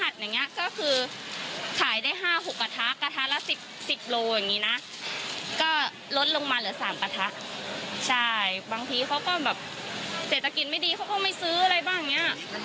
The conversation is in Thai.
เสร็จจากกินไม่ดีเขาก็ไม่ซื้ออะไรบ้างอย่างนี้